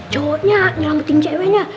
cowoknya ngelambetin ceweknya